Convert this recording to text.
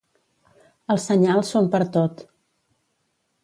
Els senyals són pertot.